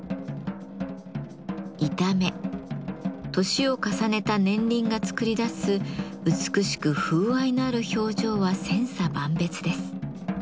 年を重ねた年輪が作り出す美しく風合いのある表情は千差万別です。